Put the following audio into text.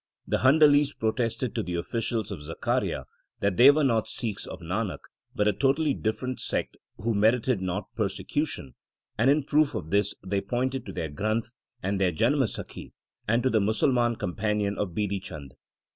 The Handalis protested to the officials of Zakaria that they were not Sikhs of Nanak, but a totally different sect who merited not persecution ; and in proof of this they pointed to their Granth, and their Janamsakhi, and to the Musalman companion of Bidhi Chand.